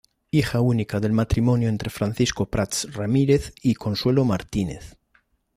Hija unica del matrimonio entre Francisco Prats Ramírez y Consuelo Martínez.